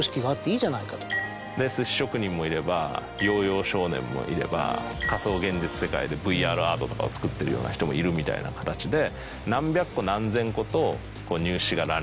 寿司職人もいればヨーヨー少年もいれば仮想現実世界でＶＲアートとかを作ってるような人もいるみたいな形で。